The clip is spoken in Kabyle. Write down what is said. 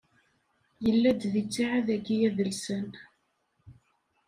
Yella-d deg ttiɛad-agi adelsan.